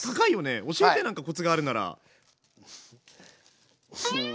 教えて何かコツがあるなら。